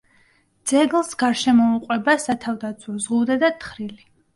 ძეგლს გარშემოუყვება სათავდაცვო ზღუდე და თხრილი.